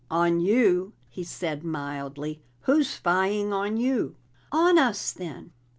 "On you?" he said mildly. "Who's spying on you?" "On us, then!"